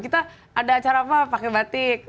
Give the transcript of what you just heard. kita ada acara apa pakai batik